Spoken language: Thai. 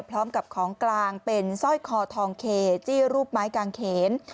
พร้อมกับของกลางเป็นสร้อยคอทองเคจี้รูปไม้กลางเขน